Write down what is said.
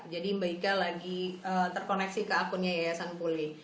jadi mba ika lagi terkoneksi ke akun yayasan puli